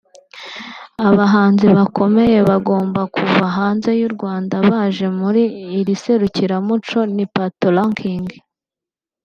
Abahanzi bakomeye bagomba kuva hanze y'u Rwanda baje muri iri serukiramuco ni ‘Patoranking